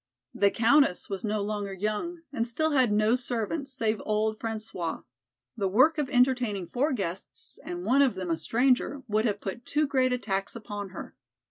The Countess was no longer young, and still had no servants save old François. The work of entertaining four guests, and one of them a stranger, would have put too great a tax upon her.